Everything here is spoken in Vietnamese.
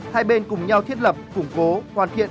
hai bên cùng nhau thiết lập củng cố hoàn thiện